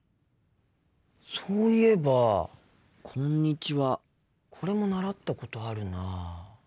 そういえば「こんにちは」これも習ったことあるな。